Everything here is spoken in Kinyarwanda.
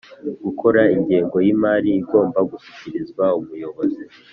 Gukora ingengo y imari igomba gushyikirizwa umuyobozi